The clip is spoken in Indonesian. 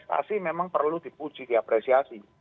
tapi memang perlu dipuji diapresiasi